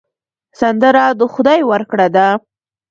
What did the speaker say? سندره د خدای ورکړه ده